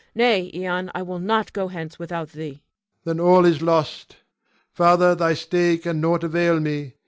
Nay, Ion, I will not go hence without thee. Ion. Then all is lost. Father, thy stay can nought avail me.